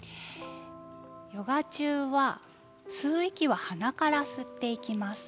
ヨガ中は吸う息は鼻から吸っていきます。